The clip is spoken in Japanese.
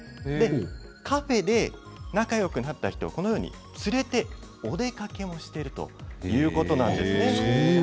カフェで仲よくなった人をこのように連れてお出かけしているそういうことか。